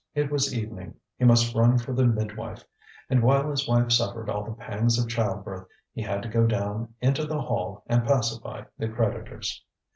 It was evening. He must run for the midwife. And while his wife suffered all the pangs of childbirth, he had to go down into the hall and pacify the creditors.